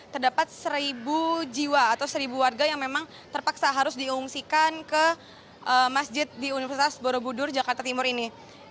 terdapat seribu jiwa atau seribu warga yang memang terpaksa harus diungsikan ke masjid di universitas borobudur jakarta timur ini